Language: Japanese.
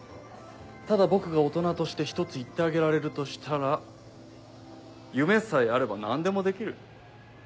ただ僕が大人として１つ言ってあげられるとしたら夢さえあれば何でもできる。